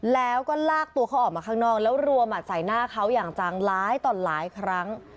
แล้วก็ลากตัวเขาออกมาข้างนอกแล้วรวมใส่หน้าเขาอย่างจังหลายต่อหลายครั้ง